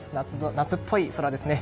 夏っぽい空ですね。